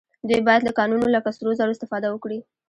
دوی باید له کانونو لکه سرو زرو استفاده وکړي